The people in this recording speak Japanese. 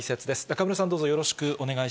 中村さん、どうぞよろしくお願い